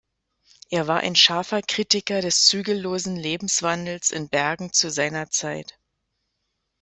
Er war ein scharfer Kritiker des zügellosen Lebenswandels in Bergen zu seiner Zeit.